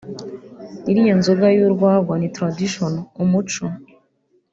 « Iriya nzoga y’urwagwa ni tradition(umuco)